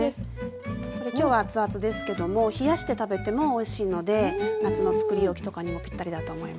今日は熱々ですけども冷やして食べてもおいしいので夏のつくり置きとかにもぴったりだと思います。